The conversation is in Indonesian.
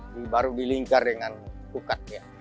lensit baru dilingkar dengan tukat ya